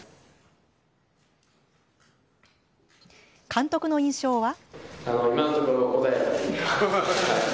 監督の印象は？